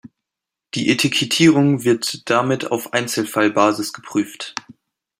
Die Etikettierung wird damit auf Einzelfallbasis geprüft.